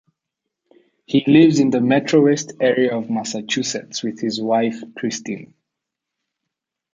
He lives in the MetroWest area of Massachusetts with his wife, Christine.